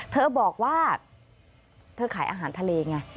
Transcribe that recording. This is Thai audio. เธอบอกว่าเธอขายอาหารทะเลไง